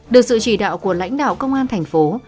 được sự chỉ đạo của lãnh đạo công an thành phố